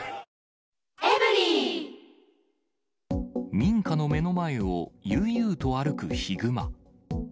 民家の目の前を悠々と歩くヒグマ。